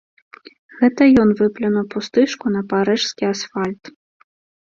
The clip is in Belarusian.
Гэта ён выплюнуў пустышку на парыжскі асфальт.